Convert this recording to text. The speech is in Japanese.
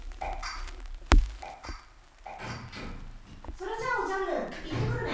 それじゃおじゃる行ってくるね。